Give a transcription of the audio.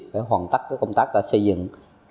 để hoàn tất công tác xây dựng